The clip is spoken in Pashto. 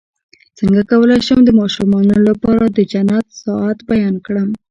څنګه کولی شم د ماشومانو لپاره د جنت ساعت بیان کړم